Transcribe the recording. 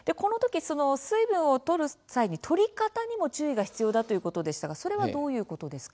水分をとる際にとり方にも注意が必要だということですがどういうことですか。